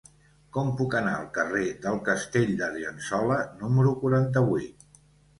Com puc anar al carrer del Castell d'Argençola número quaranta-vuit?